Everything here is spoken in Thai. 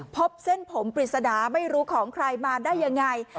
พบเส้นผมปริศนาไม่รู้ของใครมาได้ยังไง